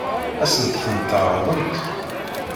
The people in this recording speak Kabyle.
Ad sent-ten-tɛeṛḍemt?